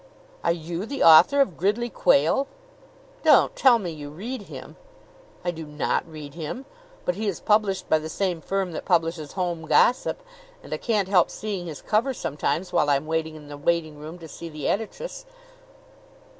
"Are you the author of Gridley Quayle?" "Don't tell me you read him!" "I do not read him! But he is published by the same firm that publishes Home Gossip, and I can't help seeing his cover sometimes while I am waiting in the waiting room to see the editress."